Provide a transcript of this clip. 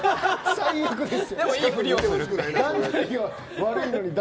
最悪です。